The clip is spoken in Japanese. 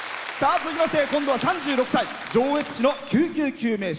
続きまして、今度は３６歳上越市の救急救命士。